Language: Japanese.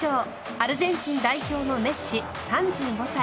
アルゼンチン代表のメッシ３５歳。